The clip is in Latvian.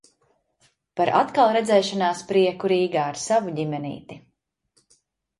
Par atkalredzēšanās prieku Rīgā ar savu ģimenīti.